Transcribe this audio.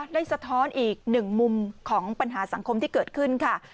สะท้อนอีกหนึ่งมุมของปัญหาสังคมที่เกิดขึ้นค่ะ